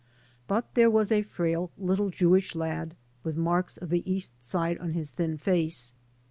But there was a frail little Jew ish lad, with marks of the East Side on his thin face.